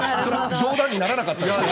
冗談にならなかったんですかね。